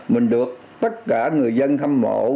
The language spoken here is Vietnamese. mình được tất cả người dân thâm mộ